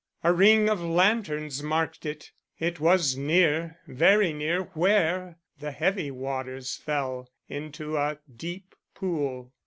A ring of lanterns marked it. It was near, very near where the heavy waters fell into a deep pool.